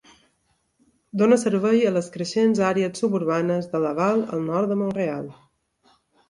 Dona servei a les creixents àrees suburbanes de Laval, al nord de Mont-real.